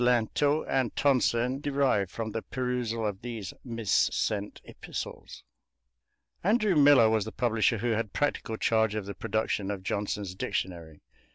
Lintot and Tonson derived from the perusal of these missent epistles. Andrew Millar was the publisher who had practical charge of the production of Johnson's dictionary.